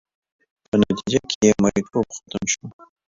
په نتیجه کې یې مریتوب ختم شو.